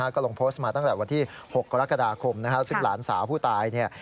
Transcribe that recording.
ก็ลงโพสต์มาตั้งแต่วันที่๖กรกฎาคมซึ่งหลานสาวผู้ตายเนี่ย